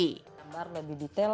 bagaimana dengan gambar lebih diturunkan